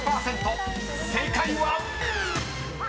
［正解は⁉］